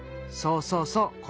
そうそうそう！